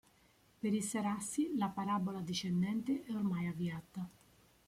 Per i Serassi la parabola discendente è ormai avviata.